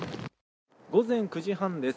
午前９時半です。